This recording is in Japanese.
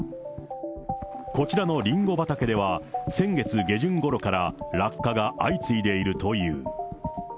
こちらのりんご畑では、先月下旬ごろから落果が相次いでいるという。